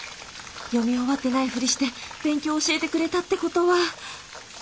読み終わってないフリして勉強教えてくれたってことは。